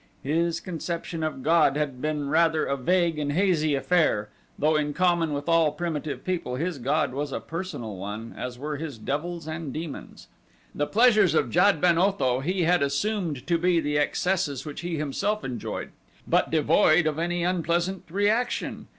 His conception of god had been rather a vague and hazy affair, though in common with all primitive people his god was a personal one as were his devils and demons. The pleasures of Jad ben Otho he had assumed to be the excesses which he himself enjoyed, but devoid of any unpleasant reaction.